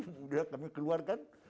sudah kami keluarkan